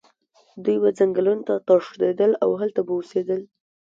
دوی به ځنګلونو ته تښتېدل او هلته به اوسېدل.